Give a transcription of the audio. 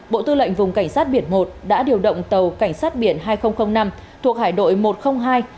bộ tư lệnh vùng cảnh sát biển một đã điều động tàu cảnh sát biển hai nghìn năm thuộc hải đội một trăm linh hai